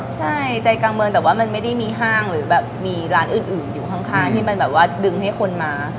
ใช่ใจกลางเมืองแต่ว่ามันไม่ได้มีห้างหรือแบบมีร้านอื่นอยู่ข้างที่มันแบบว่าดึงให้คนมา